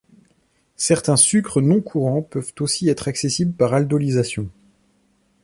Certains sucres non-courants peuvent aussi être accessibles par aldolisation.